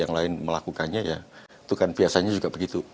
yang lain melakukannya ya itu kan biasanya juga begitu